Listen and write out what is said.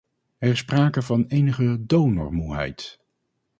Er is sprake van enige donormoeheid.